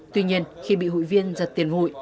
tuy nhiên khi bị hụi viên giật tiền hụi